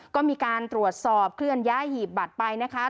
ก็มีการตรวจสอบเคลื่อนย้ายหีบบัตรไปนะคะ